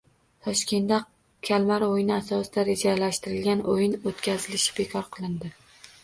Toshkentda Kalmar o‘yini asosida rejalashtirilgan o‘yin o‘tkazilishi bekor qilindi